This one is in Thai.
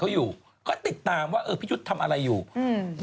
เขาอยู่ก็ติดตามว่าเออพี่ยุทธ์ทำอะไรอยู่อืม